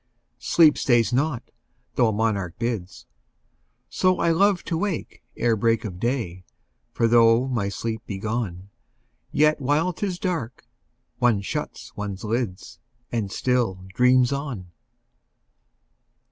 10 Sleep stays not, though a monarch bids: So I love to wake ere break of day: For though my sleep be gone, Yet while 'tis dark, one shuts one's lids, And still dreams on.